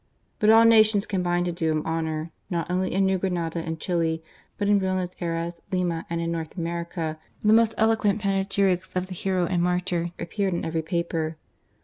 But all nations combined to do him honour, not only in New Granada and Chili, but in Buenos Ayres, Lima, and in North America, the most eloquent panegyrics of the hero and martyr appeared in every paper.